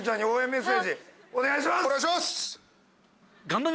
お願いします！